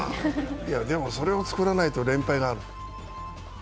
でもそれを作らないと連敗が。